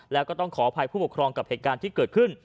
แล้วก็ต้องขออภัยผู้ปกครองกับเหตุการณ์ที่เกิดขึ้น